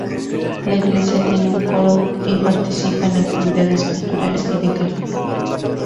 La iglesia tiene un coro y participa en actividades culturales y de caridad.